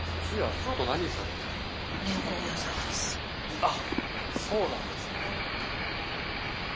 あっそうなんですね。